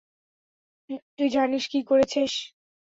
তুই জানিস কী করেছিস?